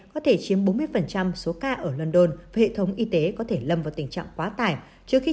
có thể chiếm bốn mươi số ca ở london và hệ thống y tế có thể lâm vào tình trạng quá tải trước khi